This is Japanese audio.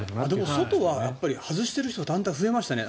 外は外している人だんだん増えましたね。